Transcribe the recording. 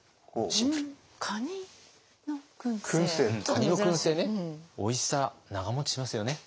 カニのくんせいねおいしさ長持ちしますよね。